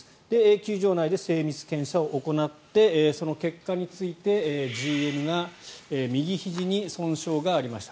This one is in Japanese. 球場内で精密検査を行ってその結果について、ＧＭが右ひじに損傷がありました